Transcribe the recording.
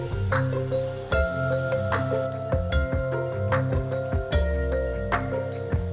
sumberbuluh yang terkenal di jawa timur di mana ada banyak pembawaan listrik